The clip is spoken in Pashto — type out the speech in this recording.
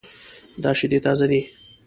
دا شیدې تازه دي